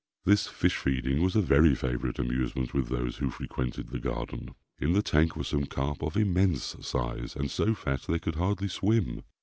This fish feeding was a very favourite amusement with those who frequented the garden. In the tank were some carp of immense size, and so fat they could hardly swim.